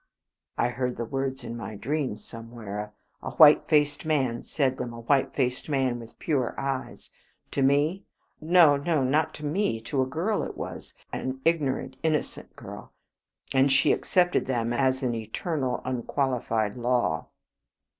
I heard the words in my dreams somewhere. A white faced man said them, a white faced man with pure eyes. To me? no, no, not to me; to a girl it was an ignorant, innocent girl, and she accepted them as an eternal, unqualified law.